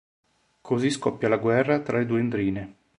Così scoppia la guerra tra le due 'ndrine.